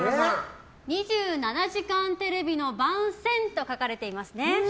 「＃２７時間テレビの番宣」と書かれていますね。